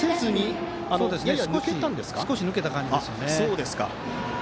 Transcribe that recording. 少し抜けた感じですね。